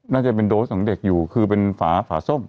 น่าจะเป็นโดสของเด็กอยู่คือเป็นฝาฝาส้ม